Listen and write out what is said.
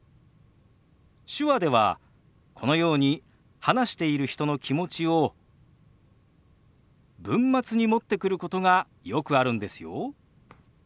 手話ではこのように話している人の気持ちを文末に持ってくることがよくあるんですよ。